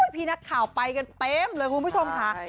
พี่นักข่าวไปกันเต็มเลยคุณผู้ชมค่ะ